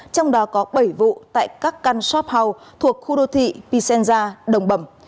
trong đó có bảy vụ tại các căn shop house thuộc khu đô thị pisenja đồng bẩm